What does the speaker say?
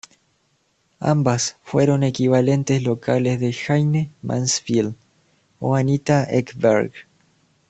Ambas fueron equivalentes locales de Jayne Mansfield o Anita Ekberg.